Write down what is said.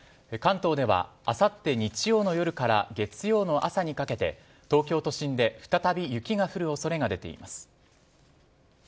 関東ではあさって日曜日の夜から月曜の朝にかけて東京都心で再び雪が降る恐れが出ています。